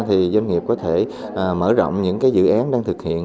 thì doanh nghiệp có thể mở rộng những cái dự án đang thực hiện